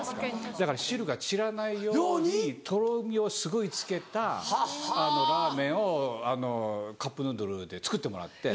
だから汁が散らないようにとろみをすごいつけたラーメンをカップヌードルで作ってもらって。